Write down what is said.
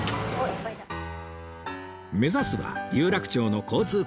目指すは有楽町の交通会館